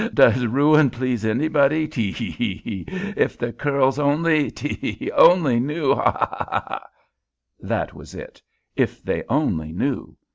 Does ruin please anybody tee hee hee! If the churls only tee hee! only knew ha ha ha ha!" That was it! If they only knew!